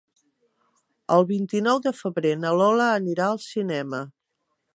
El vint-i-nou de febrer na Lola anirà al cinema.